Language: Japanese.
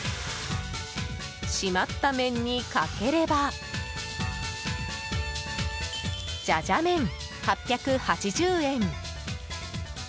締まった麺にかければジャジャメン、８８０円。